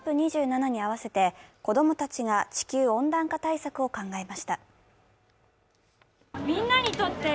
２７に合わせて、子供たちが地球温暖化対策を考えました。